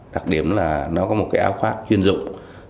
đặc điểm là nó có một cái áo khoác chuyên dụng